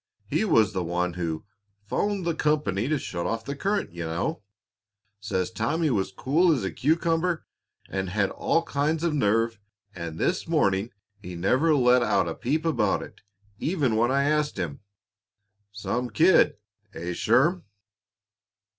He was the one who 'phoned the company to shut off the current, you know. Says Tommy was cool as a cucumber and had all kinds of nerve And this morning he never let out a peep about it, even when I asked him. Some kid, eh, Sherm?"